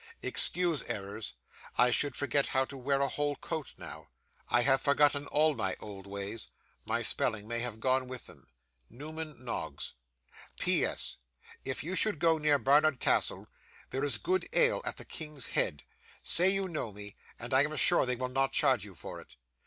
Excuse errors. I should forget how to wear a whole coat now. I have forgotten all my old ways. My spelling may have gone with them. NEWMAN NOGGS. P.S. If you should go near Barnard Castle, there is good ale at the King's Head. Say you know me, and I am sure they will not charge you for it.